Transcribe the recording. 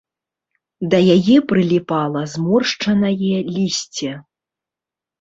Да яе прыліпала зморшчанае лісце.